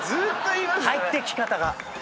入ってき方が。